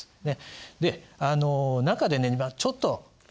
で中でねまあちょっとね。